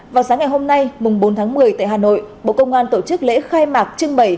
vào sáng ngày hôm nay bốn tháng một mươi tại hà nội bộ công an tổ chức lễ khai mạc chương bảy